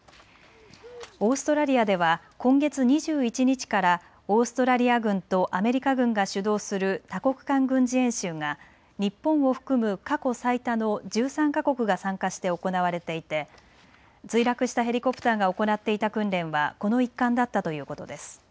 オーストラリアでは今月２１日からオーストラリア軍とアメリカ軍が主導する多国間軍事演習が日本を含む過去最多の１３か国が参加して行われていて墜落したヘリコプターが行っていた訓練はこの一環だったということです。